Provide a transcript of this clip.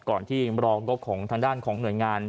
ก่อนที่รองบของทางด้านของหน่วยงาน